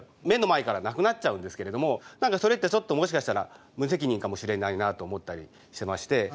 目の前からなくなっちゃうんですけれども何かそれってちょっともしかしたら無責任かもしれないなと思ったりしてまして。